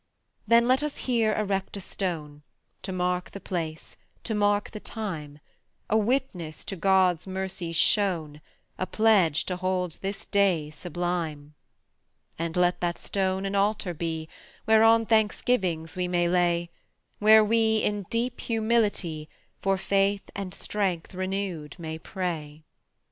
Then let us here erect a stone, To mark the place, to mark the time; A witness to God's mercies shown, A pledge to hold this day sublime. And let that stone an altar be, Whereon thanksgivings we may lay, Where we, in deep humility, For faith and strength renewed may pray.